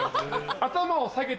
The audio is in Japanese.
頭を下げて。